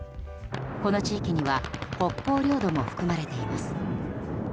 この地域には北方領土も含まれています。